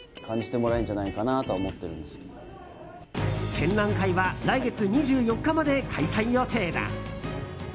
展示会は来月２４日まで開催予定だ。